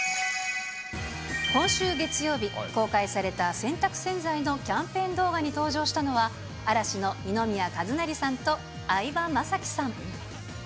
今週月曜日、公開された洗濯洗剤のキャンペーン動画に登場したのは、嵐の二宮和也さんと相葉雅紀さん。